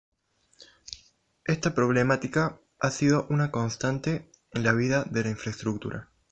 Esta problemática ha sido una constante en la vida de la infraestructura.